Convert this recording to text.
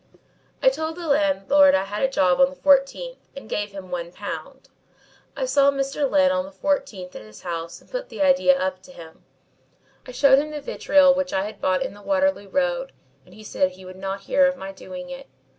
"I told the landlord I had a job on the 14th and gave him £1. I saw Mr. Lyne on the 14th at his house and put the idea up to him. I showed him the vitriol which I had bought in the Waterloo Road and he said he would not hear of my doing it.